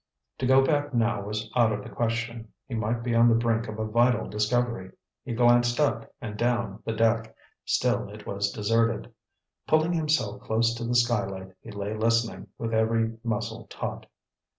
To go back now was out of the question. He might be on the brink of a vital discovery. He glanced up and down the deck. Still it was deserted. Pulling himself close to the skylight, he lay listening, with every muscle taut.